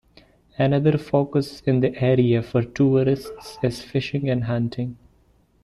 Another focus in the area for tourists is fishing and hunting.